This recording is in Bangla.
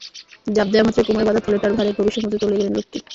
ঝাঁপ দেওয়ামাত্রই কোমরে বাঁধা থলেটার ভারে গভীর সমুদ্রে তলিয়ে গেলেন লোকটি।